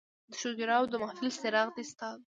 د شوګیراو د محفل څراغ دې ستا وي